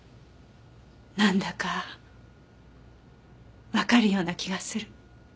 なんだかわかるような気がする。